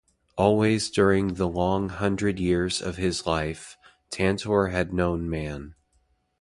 Always during the long hundred years of his life, Tantor had known man.